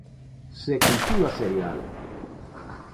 Se cultiva cereal.